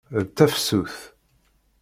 D tafsut.